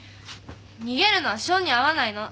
逃げるのは性に合わないの。